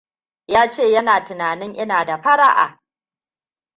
Ya ce yana tunanin ina da fara'a.